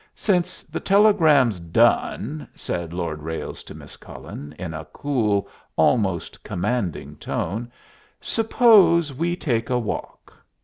"Since the telegram's done," said Lord Ralles to Miss Cullen, in a cool, almost commanding tone, "suppose we take a walk."